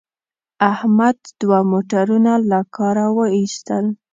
احمد دوه موټرونه له کاره و ایستل.